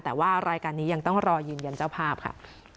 แต่ว่ารายการนี้ยังต้องรอยืนยันเจ้าภาพค่ะ